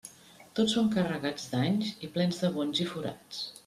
Tots van carregats d'anys i plens de bonys i forats.